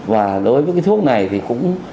và đối với cái thuốc này thì cũng